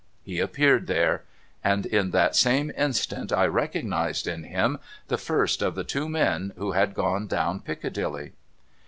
He appeared there. And in that same instant I recognised in him the first of the two men who had gone down Piccadilly.